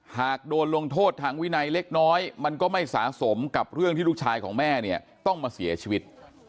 หากโดนลงโทษทางวินัยเล็กน้อยมันก็ไม่สะสมกับเรื่องที่ลูกชายของแม่เนี่ยต้องมาเสียชีวิต